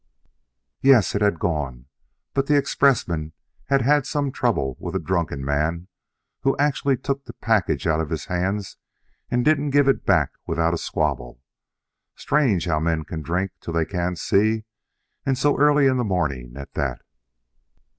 Yes, it had gone, but the expressman had had some trouble with a drunken man who actually took the package out of his hands and didn't give it back without a squabble. Strange how men can drink till they can't see, and so early in the morning, at that!